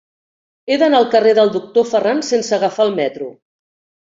He d'anar al carrer del Doctor Ferran sense agafar el metro.